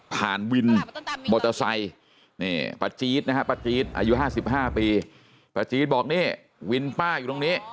ผ่านวินมอเตอร์ไซค์ประจี๊ดอายุ๕๕ปีประจี๊ดบอกวินป้าอยู่ตรงนี้